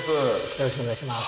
よろしくお願いします。